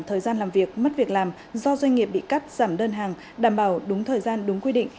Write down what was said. thời gian làm việc mất việc làm do doanh nghiệp bị cắt giảm đơn hàng đảm bảo đúng thời gian đúng quy định